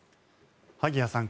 萩谷さん